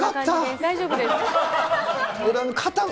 大丈夫です。